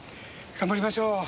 頑張りましょう。